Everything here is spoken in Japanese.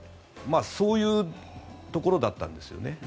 そういうところだったんですね。